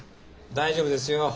大丈夫ですよ。